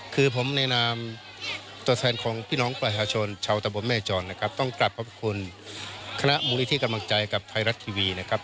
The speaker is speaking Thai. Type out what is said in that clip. คือผมในนามตัวแทนของพี่น้องประชาชนชาวตะบนแม่จรนะครับต้องกลับขอบคุณคณะมูลนิธิกำลังใจกับไทยรัฐทีวีนะครับ